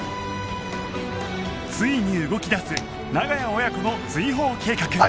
ついに動き出す長屋親子の追放計画